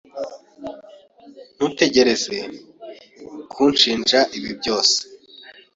Ntugerageze kunshinja ibi byose.